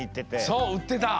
そううってた！